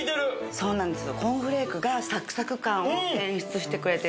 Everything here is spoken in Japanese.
そうなんですよ